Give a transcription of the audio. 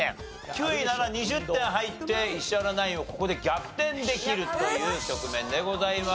９位なら２０点入って石原ナインをここで逆転できるという局面でございます。